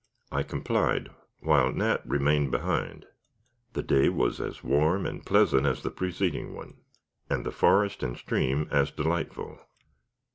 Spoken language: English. I complied, while Nat remained behind. The day was as warm and pleasant as the preceding one, and the forest and stream as delightful.